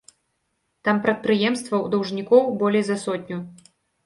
Там прадпрыемстваў-даўжнікоў болей за сотню.